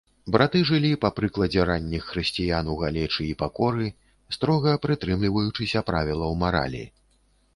Браты жылі па прыкладзе ранніх хрысціян у галечы і пакоры, строга прытрымліваючыся правілаў маралі.